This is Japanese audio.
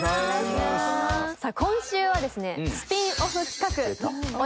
さあ今週はですね。